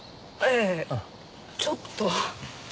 ええちょっと。